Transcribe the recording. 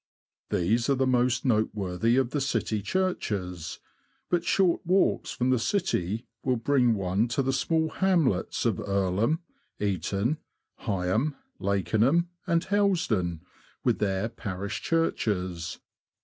These are the most noteworthy of the city churches ; but short walks from the city will bring one to the small hamlets of Earlham, Eaton, Heigham, Lakenham, and Hellsden, with their parish churches.